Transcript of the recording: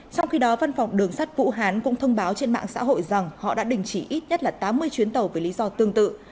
trong khi đó văn phòng đường sắt vũ hán cũng thông báo trên mạng xã hội rằng họ đã đình chỉ ít nhất là tám mươi chuyến tàu với lý do tương tự